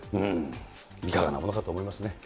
いかがなものかと思いますね。